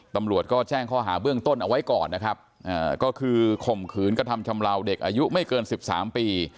ตำรวจก็แจ้งข้อหาเบื้องต้นเอาไว้ก่อนนะครับก็คือข่มขืนกระทำชำลาวเด็กอายุไม่เกิน๑๓ปี